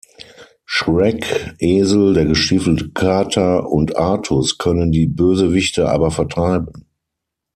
Shrek, Esel, der gestiefelte Kater und Artus können die Bösewichte aber vertreiben.